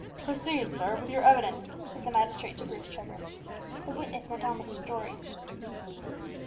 "Proceed, sir, with your evidence," said the magistrate to Bruce Trevor. The witness went on with his story.